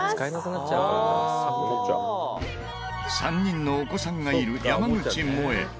３人のお子さんがいる山口もえ。